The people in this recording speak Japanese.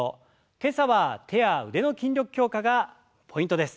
今朝は手や腕の筋力強化がポイントです。